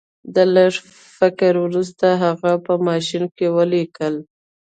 د لږ فکر وروسته هغه په ماشین کې ولیکل